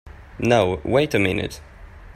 Now wait a minute!